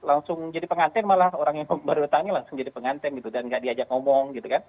langsung jadi pengantin malah orang yang baru datangnya langsung jadi penganten gitu dan nggak diajak ngomong gitu kan